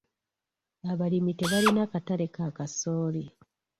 Abalimi tebalina katale ka kasooli.